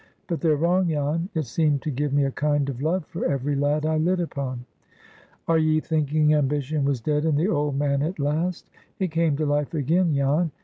But they're wrong, Jan: it seemed to give me a kind of love for every lad I lit upon. "Are ye thinking ambition was dead in the old man at last? It came to life again, Jan.